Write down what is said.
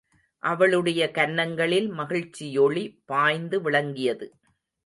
அவளுடைய கன்னங்களில் மகிழ்ச்சியொளி பாய்ந்து விளங்கியது.